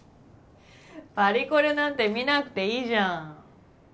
パリコレなんて見なくていいじゃん。